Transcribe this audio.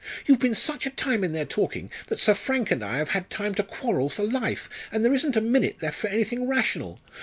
"You've been such a time in there talking, that Sir Frank and I have had time to quarrel for life, and there isn't a minute left for anything rational.